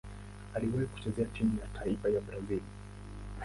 Aliwahi kucheza timu ya taifa ya Brazil.